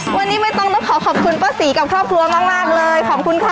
วันนี้ไม่ต้องต้องขอขอบคุณป้าศรีกับครอบครัวมากเลยขอบคุณค่ะ